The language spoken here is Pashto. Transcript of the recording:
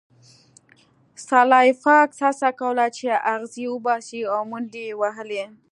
سلای فاکس هڅه کوله چې اغزي وباسي او منډې یې وهلې